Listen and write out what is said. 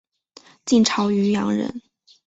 晋朝渔阳人。